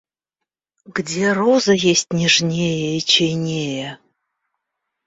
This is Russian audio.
Где роза есть нежнее и чайнее?